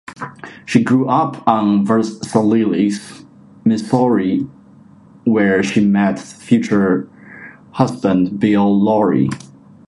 She grew up on Versailles, Missouri, where she met future husband Bill Laurie.